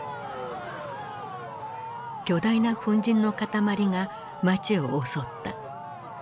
巨大な粉じんの塊が街を襲った。